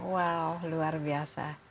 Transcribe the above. wow luar biasa